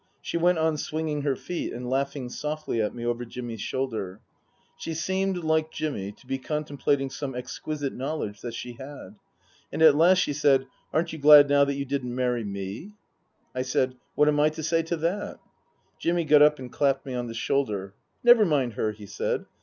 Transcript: She went on swinging her feet and laughing softly at me qver Jimmy's shoulder. She seemed, like Jimmy, to be contemplating some exquisite knowledge that she had. And at last she said: " Aren't you glad now that you didn't marry me ?" I said, " What am I to say to that ?" Jimmy got up and clapped me on the shoulder. " Never mind her," he said.